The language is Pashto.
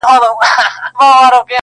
خر غریب هم یوه ورځ په هرها سو.!